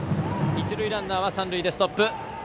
一塁ランナーは三塁でストップ。